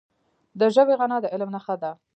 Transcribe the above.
د ژبي غنا د علم نښه ده.